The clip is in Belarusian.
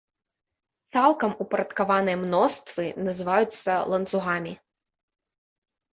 Цалкам упарадкаваныя мноствы называюцца ланцугамі.